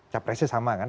capresnya sama kan